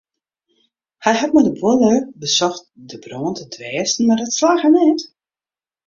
Hy hat mei de buorlju besocht de brân te dwêsten mar dat slagge net.